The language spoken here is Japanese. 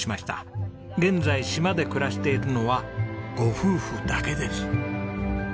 現在島で暮らしているのはご夫婦だけです。